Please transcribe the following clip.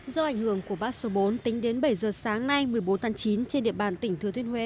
do ảnh hưởng của bão số bốn tính đến bảy giờ sáng nay một mươi bốn tháng chín trên địa bàn tỉnh thừa thuyên huế